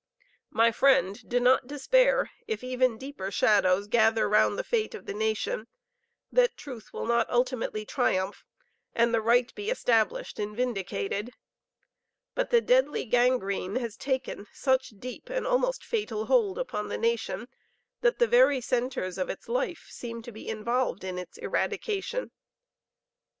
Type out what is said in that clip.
My friend, do not despair if even deeper shadows gather around the fate of the nation, that truth will not ultimately triumph, and the right be established and vindicated; but the deadly gangrene has taken such deep and almost fatal hold upon the nation that the very centres of its life seem to be involved in its eradication.